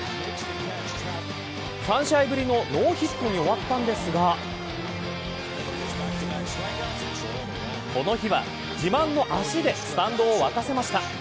３試合ぶりのノーヒットに終わったんですがこの日は、自慢の足でスタンドを沸かせました。